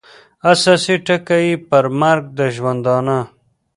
اساسي ټکي یې پر مرګ د ژوندانه